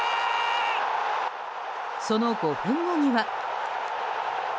その５分後には。